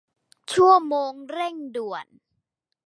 ชั่วโมงเร่งด่วน